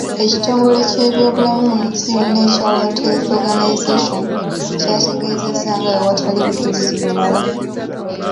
Ekitongole ky'ebyobulamu mu nsi yonna ekya World Health Organization, kyategeezezza nga bwe watali bujulizi bumala .